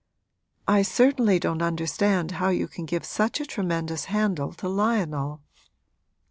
'I certainly don't understand how you can give such a tremendous handle to Lionel.'